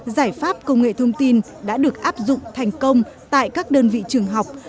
giải pháp công nghệ thông tin đã được áp dụng thành công tại các đơn vị trường học